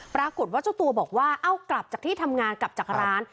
ปรากฏว่าเจ้าตัวบอกว่าเอากลับจากที่ทำงานกลับจากร้าน